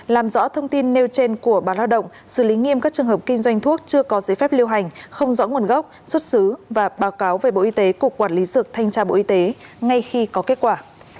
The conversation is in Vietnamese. làm rõ thông tin nêu trên của báo lao động xử lý nghiêm các trường hợp kinh doanh thuốc chưa có giấy phép lưu hành không rõ nguồn gốc xuất xứ và báo cáo về bộ y tế cục quản lý dược thanh tra bộ y tế ngay khi có kết quả